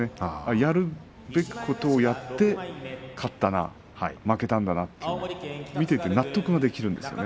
やるべきことをやって、勝ったな負けたんだな、と見ていて納得ができるんですよね。